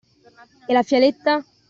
E la fialetta?